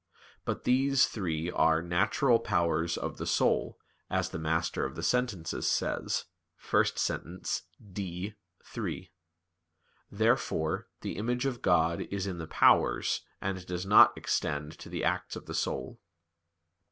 But these three are "natural powers of the soul," as the Master of the Sentences says (1 Sent. D iii). Therefore the image of God is in the powers, and does not extend to the acts of the soul.